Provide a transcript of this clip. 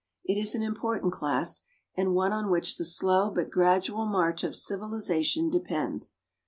It is an important class, and one on which the slow but gradual march of civilisation depends.